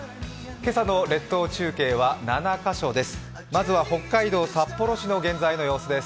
今朝の列島中継は７カ所です。